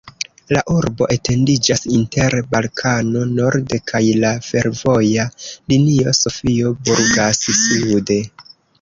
La urbo etendiĝas inter Balkano norde kaj la fervoja linio Sofio-Burgas sude.